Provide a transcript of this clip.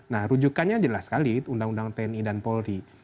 nah rujukannya jelas sekali undang undang tni dan polri